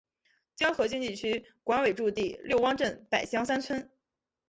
胶河经济区管委驻地六汪镇柏乡三村。